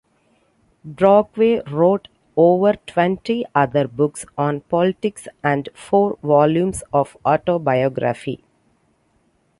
Brockway wrote over twenty other books on politics and four volumes of autobiography.